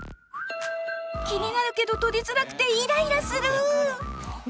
気になるけど取りづらくてイライラする！